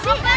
mak mak mak